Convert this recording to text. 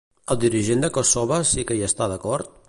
El dirigent de Kossove sí que hi està d'acord?